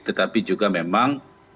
tetapi juga memang